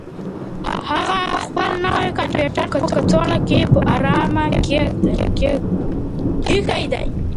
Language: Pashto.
هغه خپل نوی کمپیوټر په کڅوړه کې په ارامه اېښی دی.